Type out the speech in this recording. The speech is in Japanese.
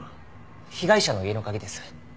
被害者の家の鍵です。